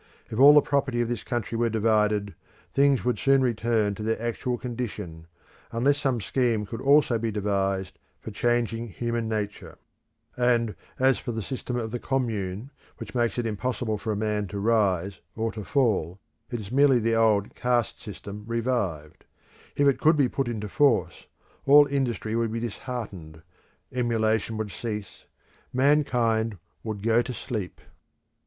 If all the property of this country were divided, things would soon return to their actual condition, unless some scheme could also be devised for changing human nature; and as for the system of the Commune, which makes it impossible for a man to rise or to fall, it is merely the old caste system revived; if it could be put into force, all industry would be disheartened, emulation would cease, mankind would go to sleep.